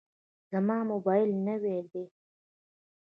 زما موبایل نوی دی.